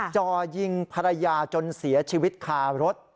จ่อยิงภรรยาจนเสียชีวิตคารถ